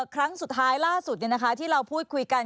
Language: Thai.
ครั้งสุดท้ายล่าสุดที่เราพูดคุยกัน